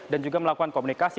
dan juga melakukan komunikasi